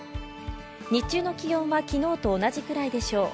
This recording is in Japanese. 日中の気温は昨日と同じくらいでしょう。